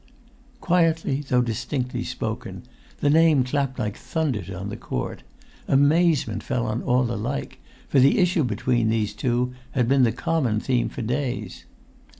Quietly though distinctly spoken, the name clapped like thunder on the court. Amazement fell on all alike, for the issue between these two had been the common theme for days.